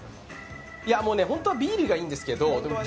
本当はビールがいいんですけど。